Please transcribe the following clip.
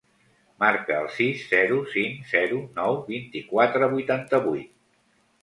Marca el sis, zero, cinc, zero, nou, vint-i-quatre, vuitanta-vuit.